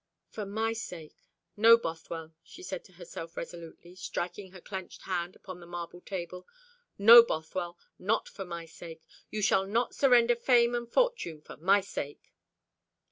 For my sake. No, Bothwell," she said to herself resolutely, striking her clenched hand upon the marble table. "No, Bothwell, not for my sake! You shall not surrender fame and fortune for my sake!"